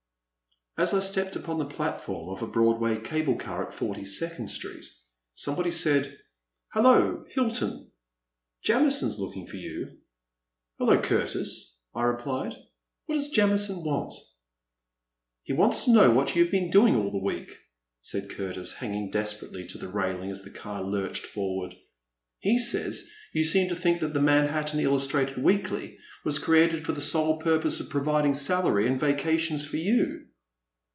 i I. AS I stepped upon the platform of a Broadway cable car at Forty second Street, somebody said; ''hello, Hilton, Jamison's looking for you/' Hello, Curtis,'* I replied, what does Jami son want?" He wants to know what you *ve been doing all the week," said Curtis, hanging desperately to the railing as the car lurched forward ;*' he says you seem to think that the Manhattan Illustrated Weekly was created for the sole purpose of provid ing salary and vacations for you."